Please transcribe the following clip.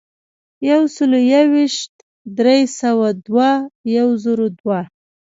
یو سلو یو ویشت ، درې سوه دوه ، یو زرو دوه.